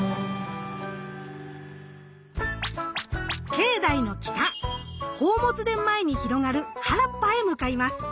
境内の北宝物殿前に広がる原っぱへ向かいます。